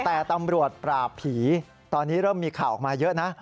แต่ตำรวจปราบผีตอนนี้เริ่มมีข่าวออกมาเยอะนะ